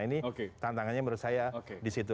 ini tantangannya menurut saya disitu